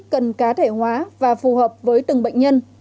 cần cá thể hóa và phù hợp với từng bệnh nhân